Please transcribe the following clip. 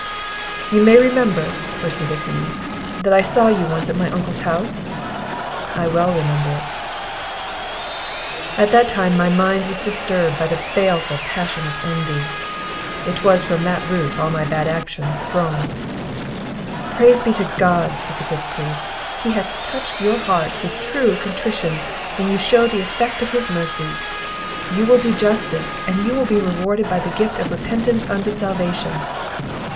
"You may remember," proceeded he, "that I saw you once at my uncle's house?" "I well remember it." "At that time my mind was disturbed by the baleful passion of envy; it was from that root all my bad actions sprung." "Praise be to God!" said the good priest; "he hath touched your heart with true contrition, and you shew the effect of his mercies; you will do justice, and you will be rewarded by the gift of repentance unto salvation."